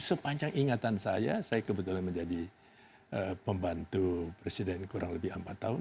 sepanjang ingatan saya saya kebetulan menjadi pembantu presiden kurang lebih empat tahun